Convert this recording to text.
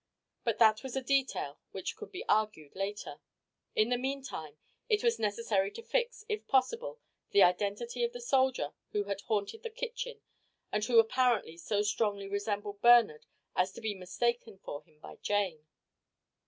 But that was a detail which could be argued later. In the meantime it was necessary to fix, if possible, the identity of the soldier who had haunted the kitchen and who apparently so strongly resembled Bernard as to be mistaken for him by Jane.